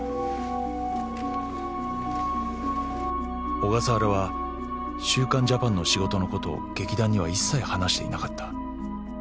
［小笠原は『週刊ジャパン』の仕事のことを劇団には一切話していなかった］